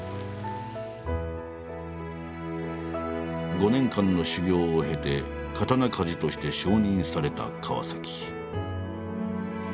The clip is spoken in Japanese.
５年間の修業を経て刀鍛冶として承認された川。